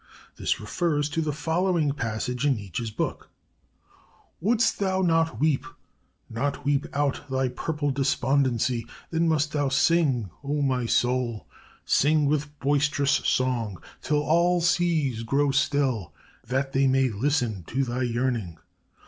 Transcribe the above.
This refers to the following passage in Nietzsche's book: 'Wouldst thou not weep, not weep out thy purple despondency, then must thou sing, O my soul!... Sing with boisterous song, till all seas grow still, that they may listen to thy yearning....